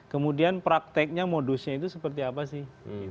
kemudian prakteknya modusnya itu seperti apa sih